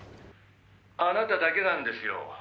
「あなただけなんですよ。